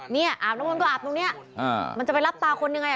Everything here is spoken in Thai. เนี่ยอาบน้ำมนต์ก็อาบตรงนี้มันจะไปรับตาคนยังไง